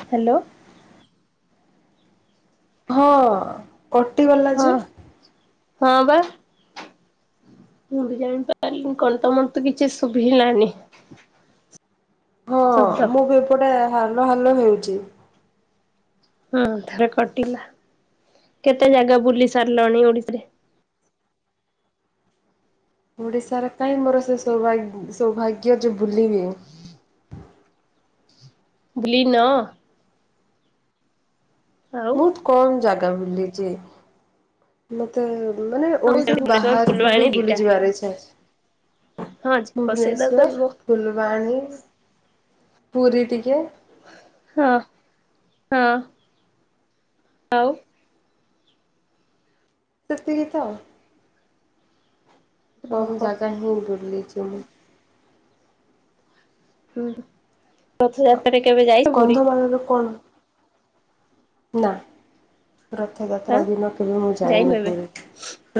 Hello ହଁ। କଟିଗଲା ହଁ ଯେ? ହଁ ବା ମୁଁ ବି ଜାଣିପାରିଲି କଲ ଟା ମତେ କିଛି ଶୁଭିଲାନି। ହଁ ଶବ୍ଦ। ମୁଁ ବି ଏପଟେ। ହାଲ ହାଲ ହେଉଚି। ହଁ ଥରେ କଟିଲା କେତେ ଜାଗା ବୁଲି ସାରିଲାଣି ଓଡିଶୀରେ। ଓଡିଶାରେ କାଇହିଁ ମୋର ସେ ସାଗ ସୌଭାଗ୍ୟ ଯେ ବୁଲିବି। ଦଲିନ। ବହୁତ କମ ଜାଗା। ବୁିଲଛି ମତେ। ମାନେ ଆଉ ଓଡିଶା ଭୁବନେଶ୍ୱର ବାହାରକୁ ବି ଫୁଲବାଣୀ ଦିଟା ବୁଲି ଯିବାର ଆଜି। ହଁ ବସେଇଦା ଭୁବନେଶ୍ଵର କରିବ ଫୁଲବାଣୀ। ପୁରୀ ଟିକେ। ହଁ ହଁ ଆଉ। ସେ କିତ ହଉ। କମ୍ ଓହୋ ଜାଗା ହିଁ ବଡିଲ। ଜମି। ହୁଁ। ରଥଯାତ୍ରାରେ କେବେ ଯାଇଛ ପୁରୀ। କନ୍ଧମାଳର କଣ ନା। ରଥଯାତ୍ରା ହାଁ ଦିନ କେବେ ମୁଁ ଯାଇନୁ ଯାଇଏନି କେବେ? ପୁରୀ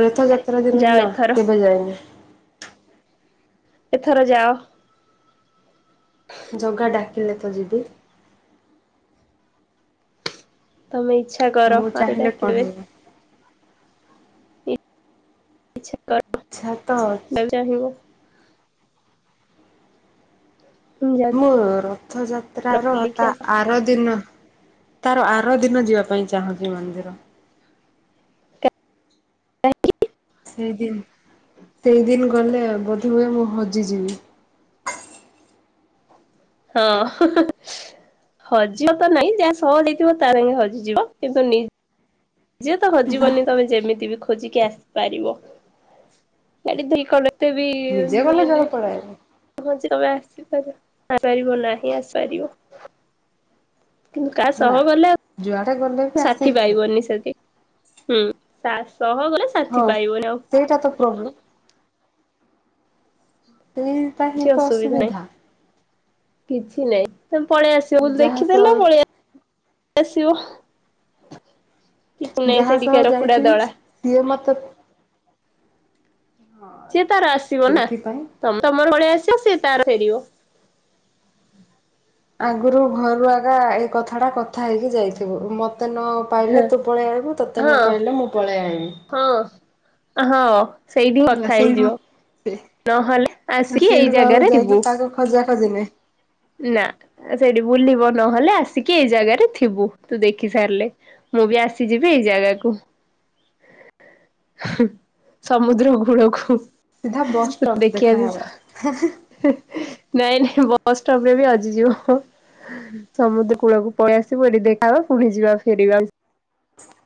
ରଥଯାତ୍ରା ଦିନ ଯାଅ ନା ଏଥର କେବେ ଯାଇଏନି। ଏଥର ଯାଅ। ଜଗା ଡାକିଲେ ତ ଯିବି। ତମେ ଇଚ୍ଛା କର ମୁଁ ଆଉ ଚାହିଁଲେ କଣ ଡାକିଦବେ। ହବ ଇଚ୍ଛା ଆଛା ତ। କର ଚାହିଁବ ଯାଅ ମୁଁ ଏଥର ରଥଯାତ୍ର ର ବୁଲିକି ତା ଆସ। ଆର ଦିନ। ତାର ଆର ଦିନ ଯିବା ପାଇଁ ଚାହୁଁଛି ମନ୍ଦିର। ସେଇଦିନ ସେଇଦିନ ଗଲେ ବୋଧ ହୁଏ ମୁଁ ହଜିଯିବି। ହଁ, ହଜିବ ତ ନାଇଁ ଯାହା ସହ ହେଇଥିବ ତ ସାଙ୍ଗେ ହଜିଯିବ କିନ୍ତୁ ନି ଯେ ତ ନା ହଜିବନି ତମେ ଯେମିତି ବି ଖୋଜିକି ଆସିପାରିବ ଗାଲି ଦୁ କଲେ ନିଜେ ଗଲେ ଜଣେ ପଳେଇ ଆଇବ। ବେ ଆସିପାର ଆସିପାରିବ ନାହିଁ ଆସିପାରିବ। କିନ୍ତୁ କାହା ନା ସହ ଗଲେ ଯୁଆଡେ ଗଲେ ବି ଆଉ ସାଥି ଆସିକି ପାଇବ ନିି ସେଠି। ହୁଁ ଚାଷ ହଁ ସେଇଟା ତ ପ୍ରୋବ୍ଲେମ୍। ତି ତା ହି କିଛି ତ ନାହିଁ ଅସୁବିଧା। କିଛି ନାହିଁ। ତମେ ପଳେଇ ଆସିବ ବ ଯାହା ଦେଖିଦେଲେ ପଳେଇ ସହ ଆସିବ। କିଛି ନାହିଁ ଯାହା ସେଠିକା ସହ ରକୁଡା ଯାଇଥିବି ଦଳା ସିଏ ମତେ ସିଏ ତାର ଆସିବ ନା ସେଇଥିପାଇଁ ତମ ତମର ପଳେଇ ଆସ ସିଏ ସେ ତାର ଫେରିବ। ଆଗରୁ ଘରୁ ଆଗା ଏଇ କଥା ଟା କଥା ହେଇକି ଯାଇଥିବୁ ମତେ ତତେ ନ ପାଇଲେ ତୁ ପଳେଇ ଆଇବୁ ତୋତେ ନ ହଁ ପାଇଲେ ମୁଁ ପଳେଇ ଆଇବି। ହଁ ହଁ। ସେଇଠି ହେଲା କଥା ସେଇଠୁ ହେଇଯିବ ସେ ନହେଲେ ଆସିକି ଏଇ ଜାଗାରେ ଥିବୁ। ଖୋଜିଲେ ନା ସେଇଠି ବୁଲିବ ନହେଲେ ଆସିକି ଏଇ ଜାଗାରେ ଥିବୁ ତୁ ଦେଖି ସାରିଲେ। ମୁଁ ବି ଆସିଯିବି ଏଇ ଜାଗାକୁ, ସମୁଦ୍ର କୂଳକୁ ସିଧା ବସ୍ ଷ୍ଟପ୍ ଦେଖି ଆସି ଦେଖାହେବା। ନାଇଁ ନାଇଁ ବସ୍ ଷ୍ଟପ୍ ରେ ହଜି ଯିବ। ସମୁଦ୍ର କୂଳକୁ ପଳେଇ ଆସିବ ଏଠି ଦେଖାବା ପୁଣି ଯିବା ଫେରିବା।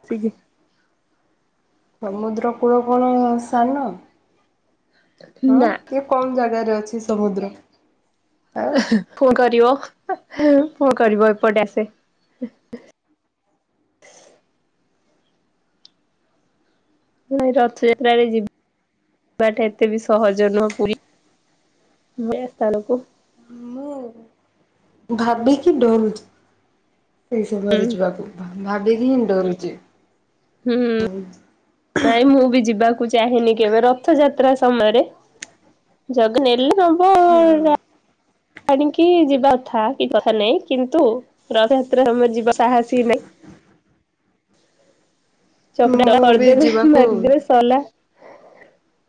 ସିକି ସମୁଦ୍ର କୂଳ କଣ ସାନ? ହଁ ନା ଟିକ୍ କମ ଜାଗାରେ ଅଛି। ସମୁଦ୍ର ଆଉ ଫୋନ କରିବ। କଣ କରିବ ଏପଟେ ଆସେ ନ ରଥଯାତ୍ରାରେ ଯିବା ଯିବାଟା ଏତେ ବି ସହଜ ନୁହଁ ପୁରୀ ସ୍ଥାନକୁ। ମୁଁ ଭାବିକି ଡରୁଚ ସେଇ ସମୟରେ ଯିବାକୁ ଭା ଭାବି କି ହିଁ ଡରୁଚି। ହୁଁ। ନାଇଁ ମୁଁ ବି ଯିବାକୁ ଚାହେଁନି କେବେ ରଥଯାତ୍ରା ସମୟରେ ଜଗା ନେଲେ ନବ ଆଉ ଆଣିକି ଯିବା କଥା କିଛି କଥା ନହିଁ କିନ୍ତୁ ରଥଯାତ୍ରରେ ଆମର ଯିବା ସାହସ ହିଁ ନାହିଁ। ଚକଟା ଦଳା ମୁଁ ବି କରିଦେବେ ଯିବାକୁ ମରିଦେବେ ସଲା।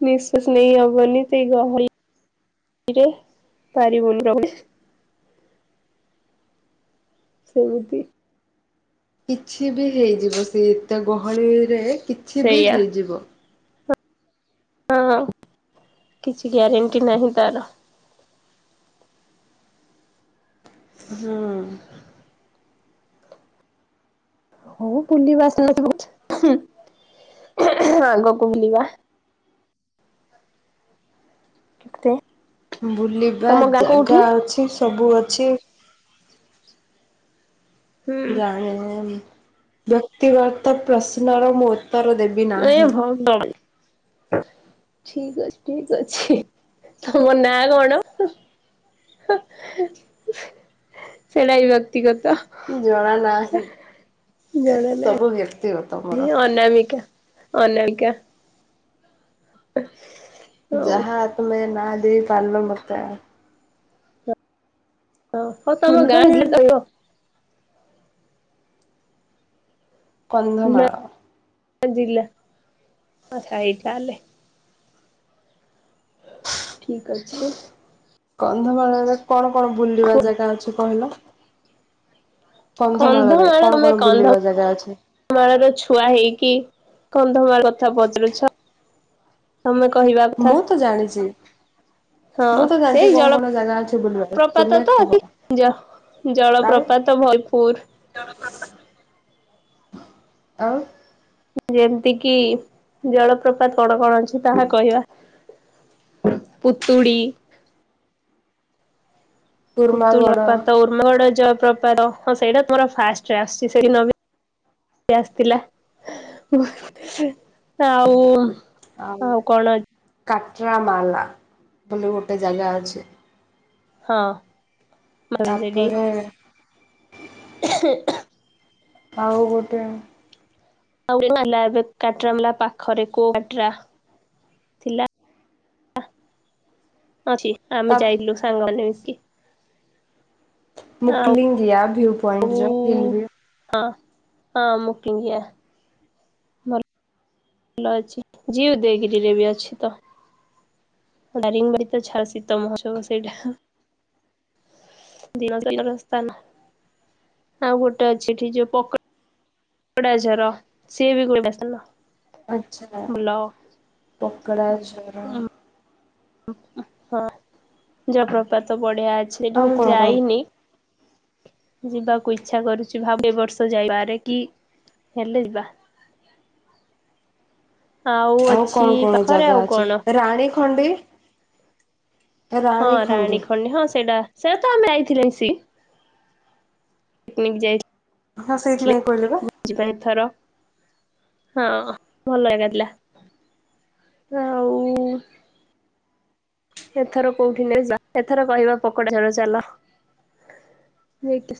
ନିଶ୍ୱାସ ନେଇହବନି ସେ ଗହଳି ରେ ରେ ପାରିବୁଣି [unintelligible] ସେମିତି କିଛି କିଛି ବି ହେଇଯିବ ସେ ଏତେ ଗହଳିରେ କିଛି ବି ସେଇଆ ହେଇଯିବ। ହଁ କିଛି ଗ୍ୟାରେଣ୍ଟି ନାହିଁ ତାର। ହୁଁ। ହଉ ବୁଲିବା [unintelligible] ଆଗକୁ ବୁଲିବା। କେତେ ବୁଲିବା ତମ ଗାଁ ଜାଗା କୋଉଠି ଅଛି ସବୁ ଅଛି ହୁଁ ଜାଣିନି ବ୍ୟକ୍ତିଗତ ପ୍ରଶ୍ନ ର ମୋର ଏ ଭଗବାନ ଠିକ ଅଛି ଠିକ ଅଛି ତମ ନାଁ କଣ ସେଟା ବି ବ୍ୟକ୍ତିଗତ? ଜଣା ନାହିଁ ଏ ସବୁ ଭ ହିଁ ଅନାମିକା ଅନାମିକା। [unintelligible] ହଉ ଯାହା ତମେ ନା ଦେଇ ପାରିଲ ମତେ ଆ ହଁ ହଉ ତମ ଗାଁ ଫୁଲବାଣୀ [unintelligible] ଲୋକ? ନା କନ୍ଦମାଳ। ଜିଲ୍ଲା ଆଚ୍ଛା ଏଇ ତାହେଲେ ଠିକ ଅଛି। କନ୍ଧମାଳରେ କଣ କଣ ବୁଲିବା ଜାଗା ଅଛି କହିଲ? କନ୍ଧମାଳରେ କନ୍ଧମାଳ କଣ ତମେ କଣ ବୁଲିବା ଜାଗା ଅଛି? କନ୍ଧମାଳର ଛୁଆ ହେଇକି କ କନ୍ଧମାଳ କଥା ପଚାରୁଛ। ତମେ କହିବା କଥା, ମୁଁ ତ ଜାଣିଛି ହଁ ମୁଁ ତ ଜାଣିଛି ସେଇ କଣ କଣ ଜାଗା ଅଛି ବୁଲିବାର ତୁମେ ଜଳପ୍ରପାତ ତ କୁହ ଆଉ ଜଳପ୍ରପାତ ଭରତପୁର। ଆଉ। ଯେମିତି କିି ଜଳପ୍ରପାତ କଣ କଣ ଅଛି? ତାହା କହିବା, ପୁତୁଡ଼ି ପୁତୁଲ କୁର୍ମାଗଡ ଜଳପ୍ରପାତ [unintelligible] ପ୍ରପାତ ହଁ ସେଇଟା ତମର ଫାଷ୍ଟରେ ଆସିଛି ସେ ଦିନ ବି ଆସିଥିଲା ଆଉ ଆଉ କଣ ଅଛି? କାଟ୍ରାମାଲା ବୋଲି ଗୋଟେ ଜାଗା ଅଛି। ହଁ। ମାନେ ସେଠି ତାପରେ [inaudible] ଆଉ ଗୋଟେ ଆଉ ହେଲା ଏବେ କାଟ୍ରାମାଲା ପାଖରେ, କୋଉ କାଟ୍ରା ଥିଲା? ଅଛି ଆମେ ତା ଯାଇଥିଲୁ ସାଙ୍ଗମାନେ ମିଶି [unintelligible] ହଁ [unintelligible] ହଁ [unintelligible] ଭଲ ଅଛି ଜ ଉଦୟଗିରିରେ, ବି ଅଛି ତ ଦାରିଙ୍ଗବାଡି ତ ଛ ଶୀତ ମହୋତ୍ସବ ସେଇଟା। ଦିନଥା [unintelligible] ଆଉ ଗୋଟେ ଅଛି ଏଠି ଯୋଉ ପ [unintelligible] ସେ ବି [unintelligible] ଆଛ ଭଲ। ପକଡ଼ା ଆଚାର। [unintelligible] [unintelligible] ଅଛି ସେଠି ଆଉ ମୁଁ କଣ କଣ ଯାଇନି। ଯିବାକୁ ଇଚ୍ଛା କରୁଛି, ଭାବ ଏ ବର୍ଷ ଯାଇପାରେ କି ହେଲେ ଯିବା। ଆଉ ଅଛି କଣ କଣ ପାଖରେ ଜାଗା ଆଉ ଅଛି? କଣ? ରାଣୀ ଖଣ୍ଡି। ହଁ ରାଣୀ ଖଣ୍ଡି ରାଣୀଖଣ୍ଡି ହଁ ସେଇଟା ସେଟା ତ ଆମେ ଯାଇ [unintelligible] ହଁ ସେଇଥିପାଇଁ। କହିଲେ ବା [unintelligible] ଏଥର। ହଁ ଭଲ ଜାଗା ଥିଲା ଆଉ। ଏଥର କୋଉଠି ନ ଯ ଏଥର କହିବା ପକୋଡ [unintelligible] ଚାଲ।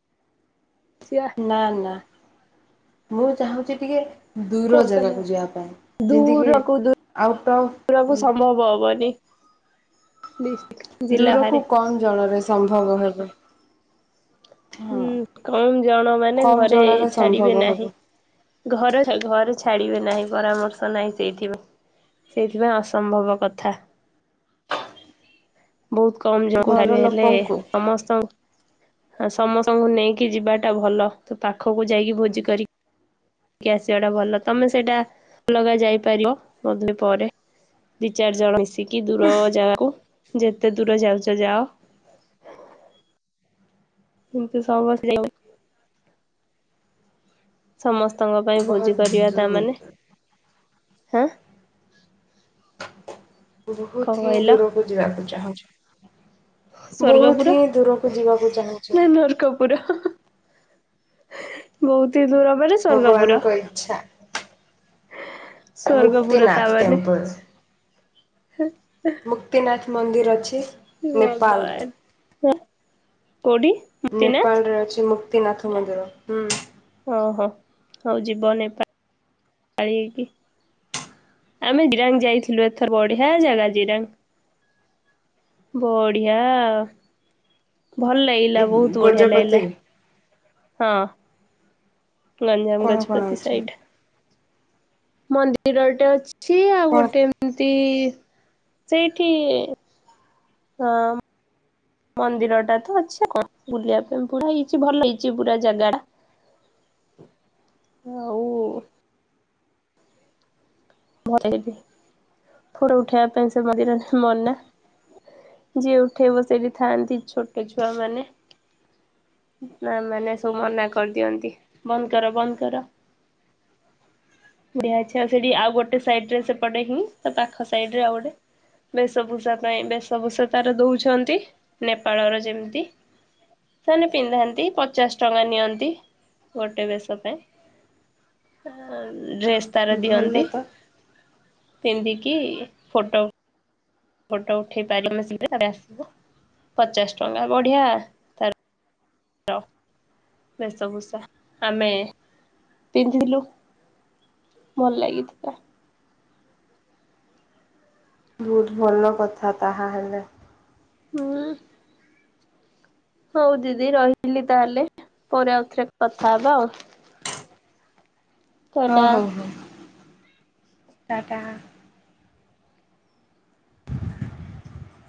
ଆସିବା ନା ନା। ମୁଁ ଚାହୁଁଛି ଟିକେ ଦୂର ଜାଗାକୁ ଯିବା ପାଇଁ [unintelligible] ଯେମିତିକି ଦୂରକୁ ଆଉଟ୍ ଅଫ୍ ଦରକୁ ସମ୍ଭବ ହବନି। ଡିସଟିକ ଜିଲ୍ଲା ଦୂରକୁ ଭାରେ। କମ୍ ଜଣରେ ସମ୍ଭବ ହେବ। ହଁ ହୁଁ କମ ଜଣ ମାନେ କମ୍ ଘରେ ଜଣରେ ଛାଡିବେ ସମ୍ଭବ ନାହିଁ ହେବ ଘର ଘରେ। ଛାଡିବେ ନାହିଁ ପରାମର୍ଶ ନାହିଁ ସେଇଥିପ ସେଇଥିପାଇଁ ଅସମ୍ଭବ କଥା ବହୁତ। କମ ଜଣା ଖିବ ଘର ହେଲେ ଲୋକଙ୍କୁ ସମସ୍ତ। ଆଉ ସମସ୍ତଙ୍କୁ ନେଇକି ଯିବାଟା ଭଲ ତ ପାଖକୁ ଯାଇକି ଭୋଜି କରିକିି ଆସିବାଟା ଭଲ ତମେ ସେଇଟା ଅଲଗା ଯାଇପାରିବ ବଧ ପରେ ଦି ଚାର ଜଣ ମିଶ। କି ଦୂର ଜାଗାକୁ। ଯେତେ ଦୂର ଯାଉଛ ଯାଅ। ଏନ୍ତ ସଭସ। ସମସ୍ତେ। ପିତାଙ୍କ ପାଇଁ ଭୋଜି ବହୁତ କରିବା ତାମାନୋନେ। ଦୂର ହାଁ। କଣ ବହୁତ ହିଁ କହିଲ ଦୂରକୁ ଯିବାକୁ। ଯା ହ [inaudible] ବହୁତ ସ୍ଵର୍ଗପୁର ହିଁ ଦୂରକୁ ଯିବାକୁ ଚାହୁଁଛୁ। ନା ନର୍କପୁର ବହୁତ। ଦର ମ ସଵର୍ଗପୁରା ଭଗବାନଙ୍କ ଇଚ୍ଛା [inaudible] ମୁକ୍ତିନାଥ ଟେମ୍ପଲ। ମୁକ୍ତିନାଥ। ମନ୍ଦିର ଅଛି ହେ ନେପାଳରେ। ଭଗବାନ। ହଁ କୋଉଠି ମୁକ୍ତିନାଥ ନେପାଳରେ ଅଛି ମୁ। ମୁକ୍ତିନାଥ ମନ୍ଦିର ହୁଁ। ଓହୋ ହଉ ଯିବ ନେପାଳକଆମେ ଜିରାଙ୍ଗ ଯାଇଥିଲୁ ଏଥର ବଢିଆ ଜାଗା ଜିରାଙ୍ଗ। ବଢିଆ। ଭଲ ଲାଗିଲା ବହୁତ ବଢିଆ ଲାଗିଲା। ଗଜପତି ହଁ। ଗଞଜାମ କଣ କଣ ଗଜପତି ଅଛି ସାଇଡ୍। ମନ୍ଦିର ଟେ ଅଛି। ଅଛି ଆଉ ହଁ ଗୋଟେ ଏମତି। ସେଇଠି। ହଁ। ମନ୍ଦିର ଟା ତ ଅଛି କଣ ବୁଲିବା ପାଇଁ ପୁରା ହେଇଛି ଭଲ ହେଇଛି ପୁରା ଜାଗା ଟା ଆଉ। ଫଟ ଉଠେଇବା ପାଇଁ ସେ ମି ମନା ଯିଏ ଉଠେଇବ ସେଠି ଥାଆନ୍ତି ଛୋଟ ଛୁଆ ମାନେ ମା ମାନେ ସବୁ ମନା କରିଦିଅନ୍ତି ବନ୍ଦ କର ବନ୍ଦ କର ଦେ ସେଠି ଆଉ। ଗୋଟେ ଗୋଟେ ସାଇଡରେ ସେପଟେ ହିଁ ତା ପାଖ ସାଇଡରେ ଆଉ ଗୋଟେ ବେଶଭୂଷା ପାଇଁ ବେଶଭୂଷା ତାର ଦଉଛନ୍ତି ନେପାଳର ଯେମିତି ସେମାନେ ପିନ୍ଧାନ୍ତି ପଚାଶ ଟଙ୍କା ନିଅନ୍ତି ଗୋଟେ ବେଶ ପାଇଁ ଆ। ଡ୍ରେସ୍ ତାର ଭଲ ଦିଅନ୍ତି। ତ ପିନ୍ଧିକି ଫଟୋ। ଫୋଟୋ ଉଠେଇ ପାରିଲ ଆମେ ଶୀଘ୍ର ଆସିବ ପଚାଶ ଟଙ୍କା ବଢିଆ ତ। ବେଶଭୂଷା ଆମେ ପିନ୍ଧିଥିଲୁ ଭଲ ଲାଗିଥିଲା। ବହୁତ ଭଲ କଥା ତାହା ହେଲେ। ହଁ। ହଉ ଦିଦି ରହିଲି ତାହେଲେ ପରେ ଆଉଥରେ କଥା ହବା ଆଉ। ତ ହଁ ଏଇଟା ହଉ ହଉ। ଟାଟା।